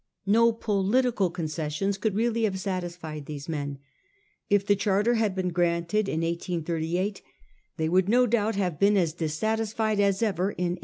No political concessions could really have satisfied these men. If the Charter had been granted in 1838, they would no doubt have been as dissatisfied as ever in 1839.